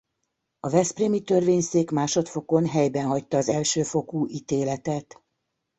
A Veszprémi Törvényszék másodfokon helyben hagyta az elsőfokú ítéletet.